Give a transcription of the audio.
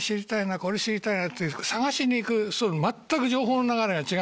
これ知りたいなって探しにいくまったく情報の流れが違うわけ。